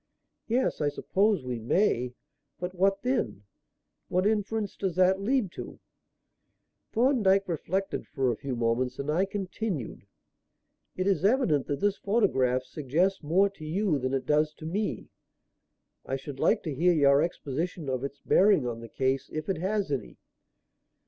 "Yes, I suppose we may. But what then? What inference does that lead to?" Thorndyke reflected for a few moments and I continued: "It is evident that this photograph suggests more to you than it does to me. I should like to hear your exposition of its bearing on the case, if it has any."